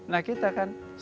nah kita kan